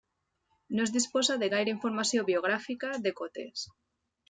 No es disposa de gaire informació biogràfica de Cotes.